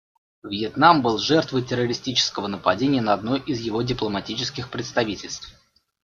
Вьетнам был жертвой террористического нападения на одно из его дипломатических представительств.